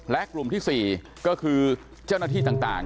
และกลุ่มที่๔ก็คือเจ้าหน้าที่ต่าง